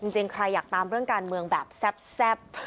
จริงใครอยากตามเรื่องการเมืองแบบแซ่บ